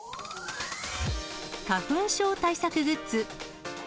花粉症対策グッズ。